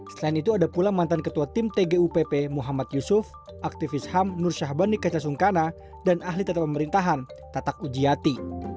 selain itu ada pula mantan ketua tim tgupp muhammad yusuf aktivis ham nur syahbani kaca sungkana dan ahli tata pemerintahan tatak ujiati